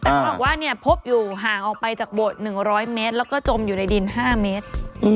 แต่เขาบอกว่าพบอยู่ห่างออกไปจากโบสถ์๑๐๐เมตรแล้วก็จมอยู่ในดิน๕เมตร